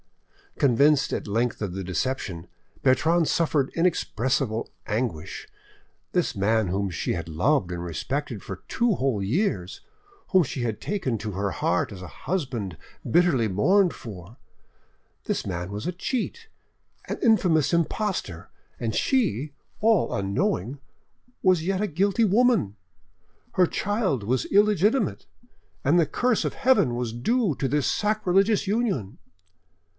Convinced at length of the deception, Bertrande suffered inexpressible anguish. This man whom she had loved and respected for two whole years, whom she had taken to her heart as a husband bitterly mourned for—this man was a cheat, an infamous impostor, and she, all unknowing, was yet a guilty woman! Her child was illegitimate, and the curse of Heaven was due to this sacrilegious union.